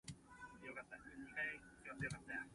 恬恬食三碗公半